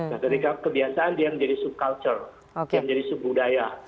nah ketika kebiasaan dia menjadi sub culture dia menjadi sub budaya